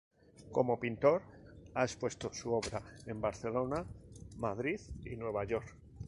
Como pintor, ha expuesto su obra en Barcelona, Madrid y Nueva York.